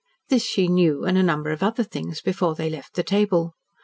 This she knew, and a number of other things, before they left the table.